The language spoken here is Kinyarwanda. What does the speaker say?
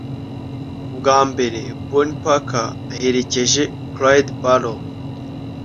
bwa mbere bonnie parker aherekeje clyde barrow